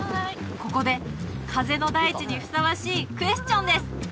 ここで風の大地にふさわしいクエスチョンです